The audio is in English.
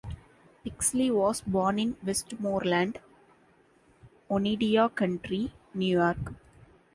Pixley was born in Westmoreland, Oneida County, New York.